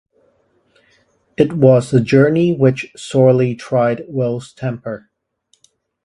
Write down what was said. It was a journey which sorely tried Will's temper.